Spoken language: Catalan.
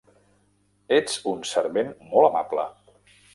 Ets un servent molt amable!